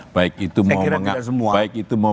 baik itu mau mengambil jokowi